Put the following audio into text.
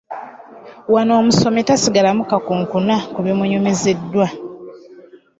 Wano omusomi tasigalamu kakunkuna kubimunyumizibwa.